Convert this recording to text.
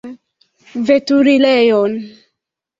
Veturilejon.